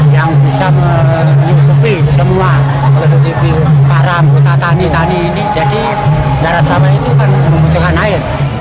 yang bisa mencukupi semua terutama di karam hutan tani tani ini jadi darah sama itu kan membutuhkan air